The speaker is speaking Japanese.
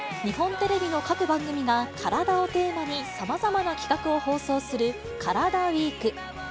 日本テレビの各番組が、カラダをテーマにさまざまな企画を放送するカラダＷＥＥＫ。